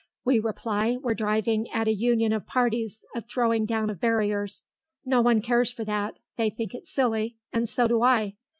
We reply we're driving at a union of parties, a throwing down of barriers. No one cares for that; they think it silly, and so do I.